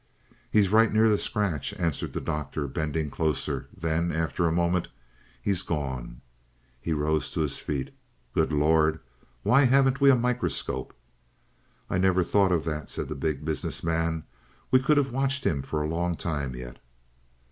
"He's right near the scratch," answered the Doctor, bending closer. Then, after a moment, "He's gone." He rose to his feet. "Good Lord! Why haven't we a microscope!" "I never thought of that," said the Big Business Man, "we could have watched him for a long time yet."